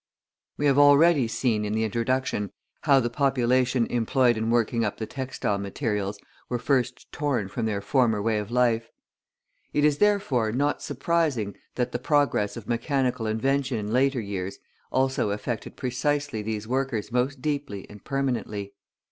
We have already seen in the introduction how the population employed in working up the textile materials were first torn from their former way of life. It is, therefore, not surprising that the progress of mechanical invention in later years also affected precisely these workers most deeply and permanently.